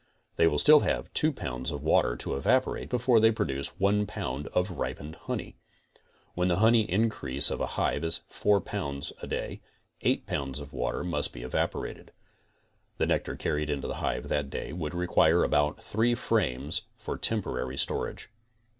They will still have 2 pounds of water to evaporate before they produce 1 pound of ripened honey. When the honey increase of a hive is 4 pounds a day, 8 pounds of water must be evaporated. The nectar carried into the hive that day would re quire about three frames for temporary storage.